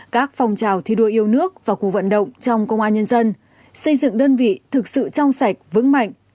các phong trào thi đua yêu nước và cuộc vận động trong công an nhân dân xây dựng đơn vị thực sự trong sạch vững mạnh